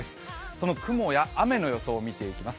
その雲や雨の予想を見ていきます。